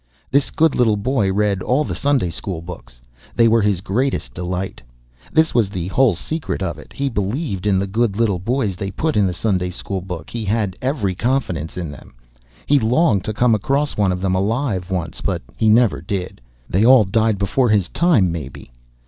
This good little boy read all the Sunday school books; they were his greatest delight. This was the whole secret of it. He believed in the good little boys they put in the Sunday school book; he had every confidence in them. He longed to come across one of them alive once; but he never did. They all died before his time, maybe.